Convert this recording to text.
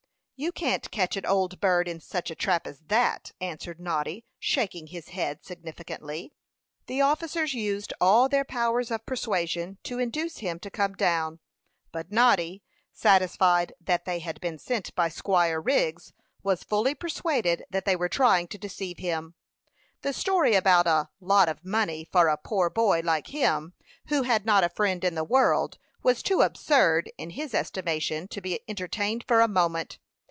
"You can't catch an old bird in any such trap as that," answered Noddy, shaking his head significantly. The officers used all their powers of persuasion to induce him to come down; but Noddy, satisfied that they had been sent by Squire Wriggs, was fully persuaded that they were trying to deceive him. The story about a "lot of money" for a poor boy like him, who had not a friend in the world, was too absurd, in his estimation, to be entertained for a moment.